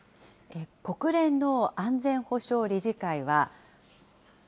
国連の安全保障理事会は。